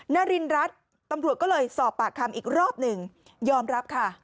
นารินรัฐตำรวจก็เลยสอบปากคำอีกรอบหนึ่งยอมรับค่ะ